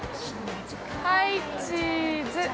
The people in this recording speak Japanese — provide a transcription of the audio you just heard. はい、チーズ。